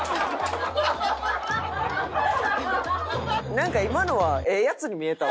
なんか今のはええヤツに見えたわ。